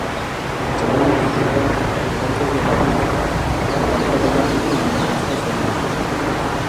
Els germans llavors es van traslladar a Califòrnia, on van treballar com a majoristes d'alimentació